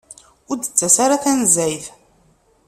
Ur d-tettas ara tanezzayt.